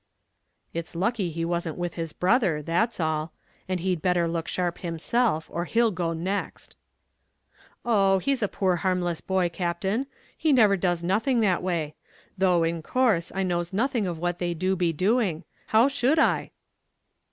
"It's lucky he wasn't with his brother, that's all: and he'd better look sharp himself, or he'll go next." "Oh, he's a poor harmless boy, Captain. He never does nothing that way: though, in course, I knows nothing of what they do be doing; how should I?"